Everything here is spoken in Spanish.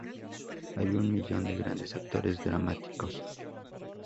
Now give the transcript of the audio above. Hay una millón de grandes actores dramáticos.